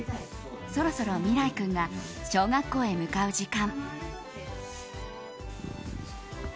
そろそろ美良生君が小学校へ向かう時間。